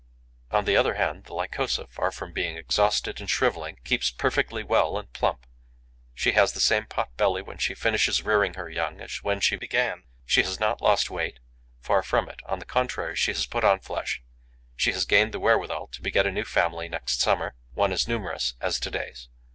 On the other hand, the Lycosa, far from being exhausted and shrivelling, keeps perfectly well and plump. She has the same pot belly when she finishes rearing her young as when she began. She has not lost weight: far from it; on the contrary, she has put on flesh: she has gained the wherewithal to beget a new family next summer, one as numerous as to day's.